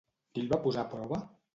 Qui el va posar a prova?